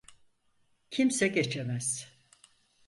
Kimse geçemez.